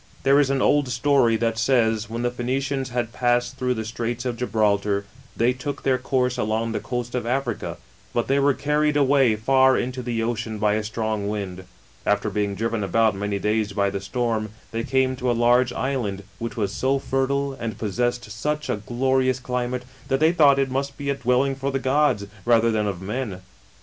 There :^ an old story that says, when the Phoenicians nad passed through the Straits of Gibraltar, tney took their course along the coast of Africa; but tluy were carried away far into the iceni by a strong wind. After being driven about many days by the stoi rn, they came to a large island, which was so fertile and possessed such a glorious climate, that they thought it must be a dwelling for the gods, rather than of men.